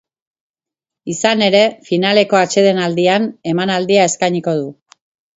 Izan ere, finaleko atsedenaldian emanaldia eskainiko du.